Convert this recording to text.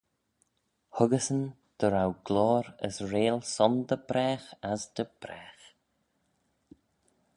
Huggeysyn dy row gloyr as reill son dy bragh as dy bragh.